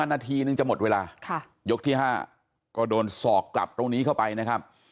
นาทีนึงจะหมดเวลายกที่๕ก็โดนสอกกลับตรงนี้เข้าไปนะครับ